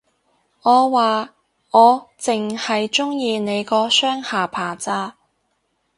我話，我剩係鍾意你個雙下巴咋